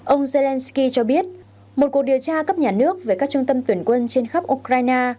ông zelensky cho biết một cuộc điều tra cấp nhà nước về các trung tâm tuyển quân trên khắp ukraine